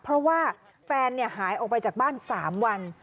เพราะว่าแฟนหายออกไปจากบ้าน๓วัน